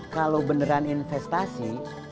kalau beneran investasi